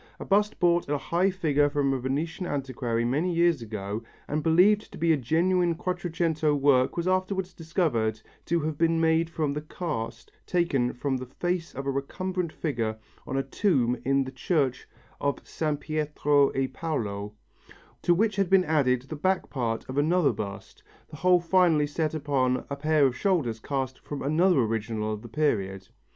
A bust bought at a high figure from a Venetian antiquary many years ago and believed to be genuine Quattrocento work was afterwards discovered to have been made from the cast taken from the face of a recumbent figure on a tomb in the church of San Pietro e Paolo, to which had been added the back part of another bust, the whole finally set upon a pair of shoulders cast from another original of the period.